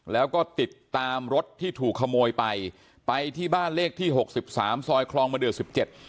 แล้วก็ติดตามรถที่ถูกขโมยไปไปที่บ้านเลขที่หกสิบสามซอยคลองมะเดือดสิบเจ็ด